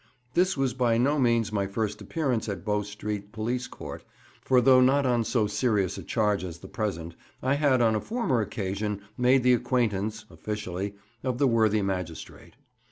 This was by no means my first appearance at Bow Street Police Court, for though not on so serious a charge as the present, I had on a former occasion made the acquaintance (officially) of the worthy magistrate.